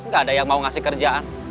gak ada yang mau ngasih kerjaan